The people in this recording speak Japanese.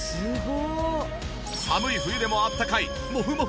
寒い冬でもあったかいモフモフ